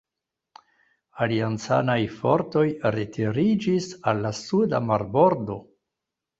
Aliancanaj fortoj retiriĝis al la suda marbordo.